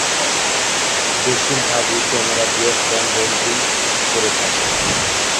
বেশিরভাগই ক্যামেরা দিয়ে ফ্রেম বন্দী করে থাকে।